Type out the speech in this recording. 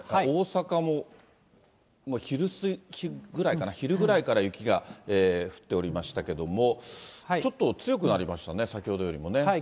大阪も昼過ぎぐらいかな、昼ぐらいから雪が降っておりましたけれども、ちょっと強くなりましたね、先ほどよりもね。